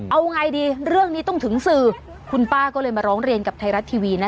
เอาไงดีเรื่องนี้ต้องถึงสื่อคุณป้าก็เลยมาร้องเรียนกับไทยรัฐทีวีนะ